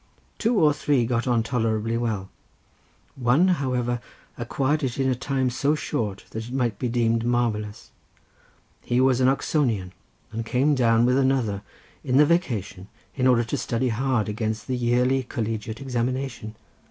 Two or three got on tolerably well. One however acquired it in a time so short that it might be deemed marvellous. He was an Oxonian, and came down with another in the vacation in order to study hard against the yearly collegiate examination.